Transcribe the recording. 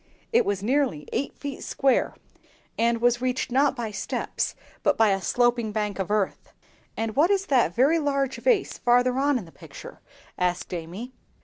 It was nearly eight feet square, and was reached, not by steps, but by a sloping bank of earth." "And what is that very large vase farther on in the picture?" asked Amy.